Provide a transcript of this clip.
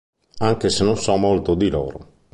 Anche se non so molto di loro.